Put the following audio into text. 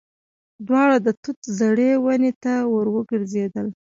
دواړه د توت زړې ونې ته ور وګرځېدل.